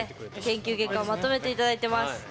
研究結果をまとめて頂いてます。